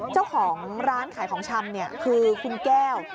เจ้าของร้านขายของชำคือคุณแก้ว